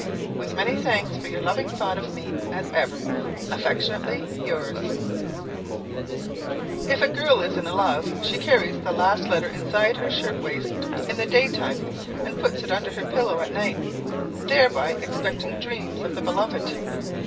With many thanks for your loving thought of me, as ever, Affectionately yours." [Sidenote: If a Girl is in Love] If a girl is in love, she carries the last letter inside her shirt waist in the day time, and puts it under her pillow at night, thereby expecting dreams of the beloved.